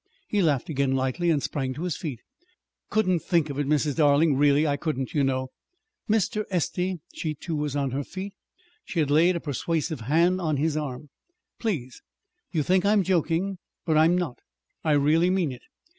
He laughed again lightly and sprang to his feet. "Couldn't think of it, Mrs. Darling. Really, I couldn't, you know!" "Mr. Estey!" She, too, was on her feet. She had laid a persuasive hand on his arm. "Please, you think I'm joking; but I'm not. I really mean it.